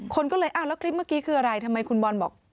คนก็เลยอ้าวแล้วคลิปเมื่อกี้คืออะไรทำไมคุณบอลบอก